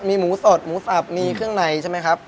มีหมูสดหมูสับมีเครื่องในใช่ไหมครับ